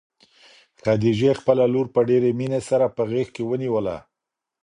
خدیجې خپله لور په ډېرې مینې سره په غېږ کې ونیوله.